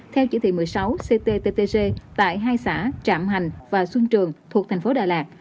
theo chỉ thị một mươi sáu cttg tại hai xã trạm hành và xuân trường thuộc thành phố đà lạt